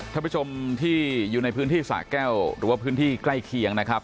ท่านผู้ชมที่อยู่ในพื้นที่สะแก้วหรือว่าพื้นที่ใกล้เคียงนะครับ